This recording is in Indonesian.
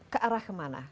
ke arah kemana